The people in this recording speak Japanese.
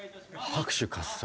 拍手喝采。